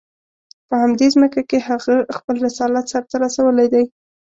په همدې ځمکه کې هغه خپل رسالت سر ته رسولی دی.